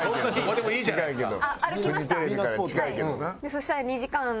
そしたら２時間。